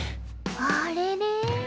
あれれ？